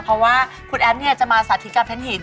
เพราะว่าครูแอฟจะมาสถิกรรมเท็ณหิน